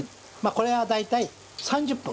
これが大体３０分。